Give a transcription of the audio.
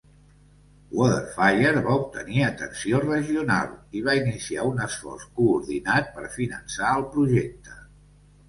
WaterFire va obtenir atenció regional i va iniciar un esforç coordinat per finançar el projecte.